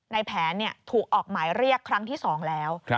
ในแผนถูกออกหมายเรียกครั้งที่๒แล้ว